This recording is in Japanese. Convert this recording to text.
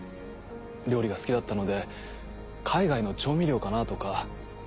料理が好きだったので海外の調味料かなとか。